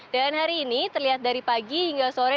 dan hari ini terlihat dari pagi hingga sore